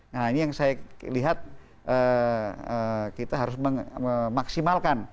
nah ini yang saya lihat kita harus memaksimalkan hubungan antara pengusaha pengusaha besar